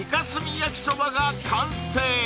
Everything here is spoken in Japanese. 焼きそばが完成